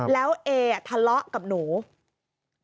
แล้วเอทะเลาะกับหนู